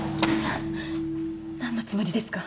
何のつもりですか？